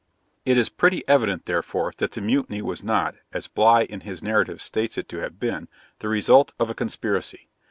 "' It is pretty evident, therefore, that the mutiny was not, as Bligh in his narrative states it to have been, the result of a conspiracy.